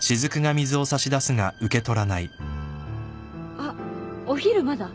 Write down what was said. あっお昼まだ？